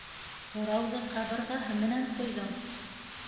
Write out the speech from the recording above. Һорауҙы ҡабырғаһы менән ҡуйҙың.